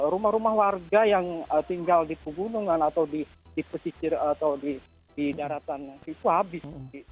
rumah rumah warga yang tinggal di pegunungan atau di pesisir atau di daratan itu habis